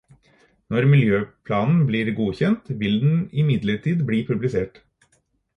Når miljøplanen blir godkjent, vil den imidlertid bli publisert.